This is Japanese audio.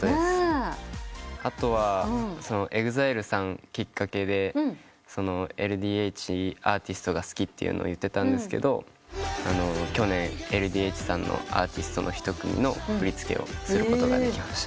ＥＸＩＬＥさんきっかけでＬＤＨアーティストが好きって言ってたんですけど去年ＬＤＨさんのアーティストの一組の振り付けをすることができました。